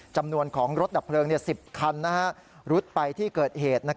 จำนวนของรถดับเพลิง๑๐คันรุดไปที่เกิดเหตุ